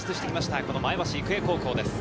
この前橋育英高校です。